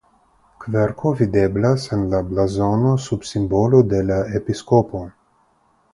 Kverko videblas en la blazono sub simbolo de la episkopo.